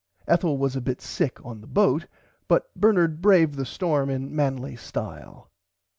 Ethel was a bit sick on the boat but Bernard braved the storm in manly style.